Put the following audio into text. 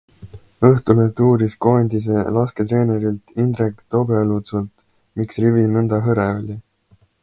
Õhtuleht uuris koondise lasketreenerilt Indrek Tobrelutsult, miks rivi nõnda hõre oli?